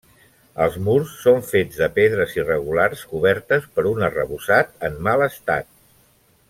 Els murs són fets de pedres irregulars cobertes per un arrebossat en mal estat.